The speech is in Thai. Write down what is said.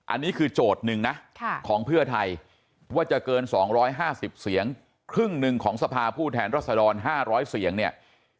อันนี้คือโจทย์หนึ่งนะของเพื่อไทยว่าจะเกิน๒๕๐เสียงครึ่งหนึ่งของสภาผู้แทนรัศดร๕๐๐เสียงเนี่ย